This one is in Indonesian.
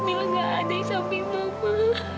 mika nggak ada di samping mama